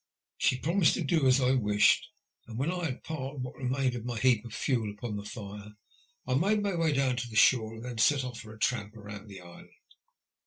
She promised to do as I wished, and when I had piled what remained of my heap of fuel upon the fire I made my way down to the shore, and then set off for a tramp round the island.